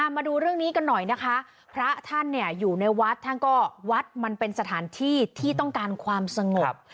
มาดูเรื่องนี้กันหน่อยนะคะพระท่านเนี่ยอยู่ในวัดท่านก็วัดมันเป็นสถานที่ที่ต้องการความสงบ